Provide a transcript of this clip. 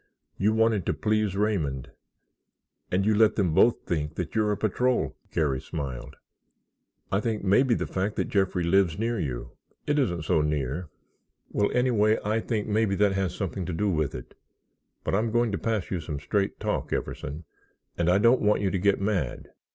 You wanted to please Raymond. And you let them both think that you're a patrol——" Garry smiled. "I think maybe the fact that Jeffrey lives near you——" "It isn't so near." "Well, anyway, I think maybe that has something to do with it. But I'm going to pass you some straight talk, Everson, and I don't want you to get mad.